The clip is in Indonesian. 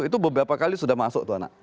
itu beberapa kali sudah masuk tuh anak